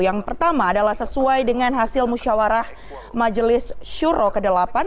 yang pertama adalah sesuai dengan hasil musyawarah majelis syuro ke delapan